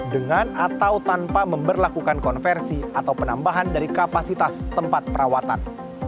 dengan atau tanpa memperlakukan konversi atau penambahan dari kapasitas tempat perawatan